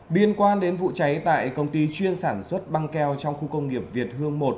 liên quan đến vụ cháy tại công ty chuyên sản xuất băng keo trong khu công nghiệp việt hương một